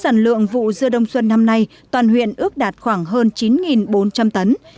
sản lượng vụ dưa đông xuân năm nay toàn huyện ước đạt khoảng hơn chín bốn trăm linh tấn